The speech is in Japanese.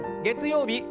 月曜日